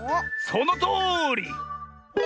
そのとおり！